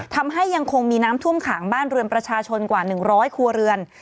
ยังคงมีน้ำท่วมขังบ้านเรือนประชาชนกว่า๑๐๐ครัวเรือน